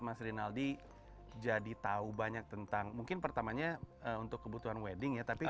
mas rinaldi jadi tahu banyak tentang mungkin pertamanya untuk kebutuhan wedding ya tapi